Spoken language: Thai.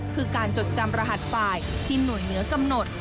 คือการจดจำรหัสฝ่ายที่หน่วยเหนือกำหนด